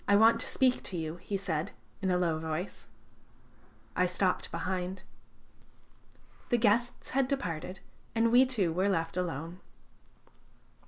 "I want to speak to you," he said in a low voice. I stopped behind. The guests had departed, and we two were left alone.